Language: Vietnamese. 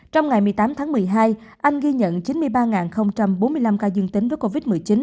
trong ngày một mươi tám tháng một mươi hai anh ghi nhận chín mươi ba bốn mươi năm ca dương tính với covid một mươi chín